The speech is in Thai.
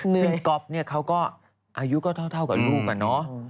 ซึ่งก๊อฟเนี่ยเขาก็อายุก็เท่ากับลูกอะเนาะ